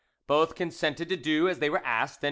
Both consented to do as they were asked, and M.